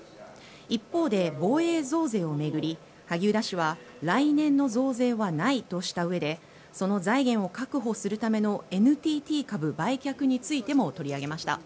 一方で、防衛増税を巡り萩生田氏は来年の増税はないとしたうえでその財源を確保するためのＮＴＴ株売却についても取り上げました。